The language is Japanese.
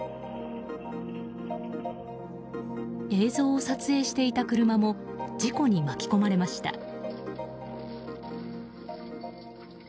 映像を撮影していた車も事故に巻き込まれました。